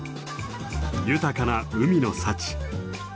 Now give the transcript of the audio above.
豊かな海の幸。